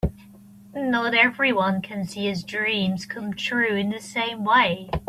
Not everyone can see his dreams come true in the same way.